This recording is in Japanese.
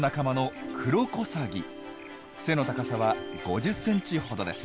背の高さは５０センチほどです。